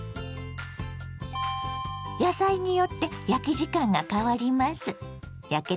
野菜によって焼き時間が変わります。